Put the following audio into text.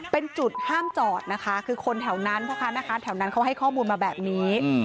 เป็นจุดห้ามจอดนะคะคือคนแถวนั้นพ่อค้าแม่ค้าแถวนั้นเขาให้ข้อมูลมาแบบนี้